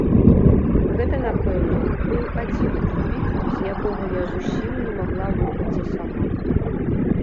Гэта, напэўна, быў адзіны тупік, з якога я зусім не магла выбрацца сама.